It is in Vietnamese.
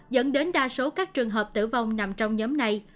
dẫn đến đa số các trường hợp tử vong nằm trong nhóm này